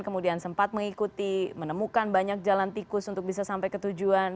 kemudian sempat mengikuti menemukan banyak jalan tikus untuk bisa sampai ke tujuan